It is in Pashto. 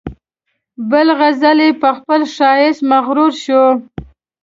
بل غزل یې په خپل ښایست مغرور شوی.